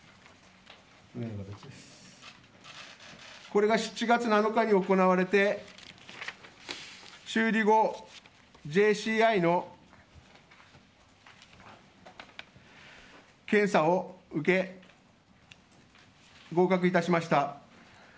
これが７月７日に行われて修理後、ＪＣＩの検査を受け合格致しました。